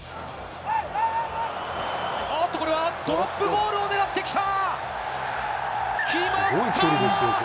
あっと、これは、ドロップゴールをねらってきた。